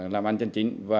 làm ăn chân chính